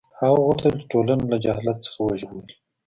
هغه غوښتل چې ټولنه له جهالت څخه وژغوري.